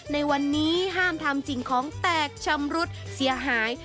ในวันนี้ห้ามทำสิ่งของแตกชำรุดเสียหาย